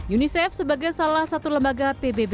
unicef sebagai salah satu lembaga pbb